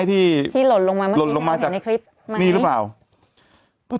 แต่หนูจะเอากับน้องเขามาแต่ว่า